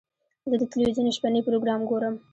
زه د تلویزیون شپهني پروګرام ګورم.